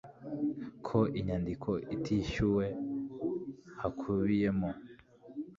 ko inyandiko itishyuwe hakubiyemo